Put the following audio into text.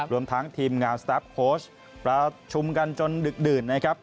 รวมทั้งทีมงานสตาร์ฟโค้ชประชุมกันจนดึกดื่นนะครับ